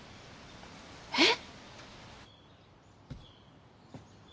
えっ！？